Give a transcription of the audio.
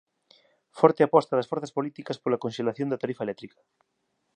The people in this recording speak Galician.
Forte aposta das forzas políticas pola conxelación da tarifa eléctrica